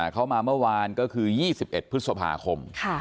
เขามาเมื่อวานก็คือ๒๑พฤษภาคม